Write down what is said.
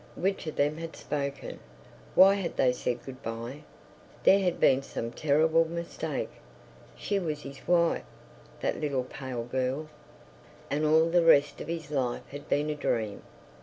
Which of them had spoken? Why had they said good bye? There had been some terrible mistake. She was his wife, that little pale girl, and all the rest of his life had been a dream.